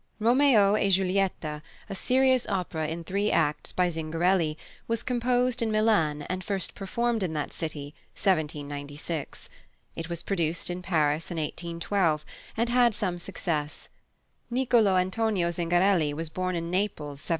Romeo e Giulietta, a serious opera in three acts, by +Zingarelli+, was composed in Milan and first performed in that city (1796). It was produced in Paris in 1812, and had some success. Nicolò Antonio Zingarelli was born in Naples, 1752.